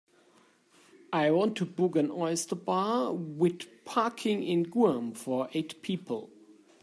I want to book an oyster bar wit parking in Guam for eight people.